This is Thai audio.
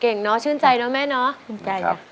เก่งเนาะชื่นใจเนาะแม่เนาะ